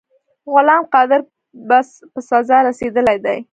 غلام قادر په سزا رسېدلی دی.